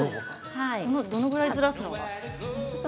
どれぐらい、ずらすのか。